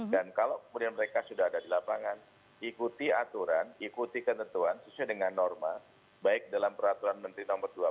dan kalau kemudian mereka sudah ada di lapangan ikuti aturan ikuti ketentuan sesuai dengan norma baik dalam peraturan menteri nomor dua belas